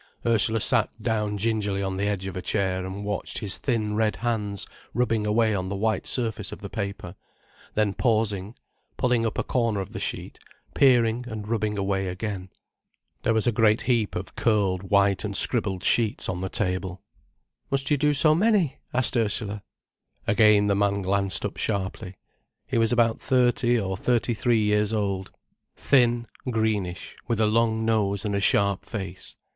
Ursula sat down gingerly on the edge of a chair, and watched his thin red hands rubbing away on the white surface of the paper, then pausing, pulling up a corner of the sheet, peering, and rubbing away again. There was a great heap of curled white and scribbled sheets on the table. "Must you do so many?" asked Ursula. Again the man glanced up sharply. He was about thirty or thirty three years old, thin, greenish, with a long nose and a sharp face.